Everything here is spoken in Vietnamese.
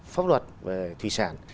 pháp luật về thủy sản